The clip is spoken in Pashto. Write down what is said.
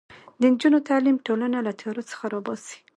د نجونو تعلیم ټولنه له تیارو څخه راباسي.